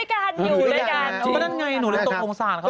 ก็นั่นไงหนูอะไรตกองสารเขากล้องไฟฟ้า